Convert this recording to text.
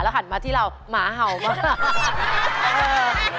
และถึงเราเนี่ยหมาเหามาก